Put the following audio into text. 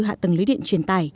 hạ tầng lưới điện truyền tài